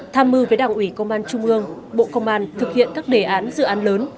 tham mưu với đảng ủy công an trung ương bộ công an thực hiện các đề án dự án lớn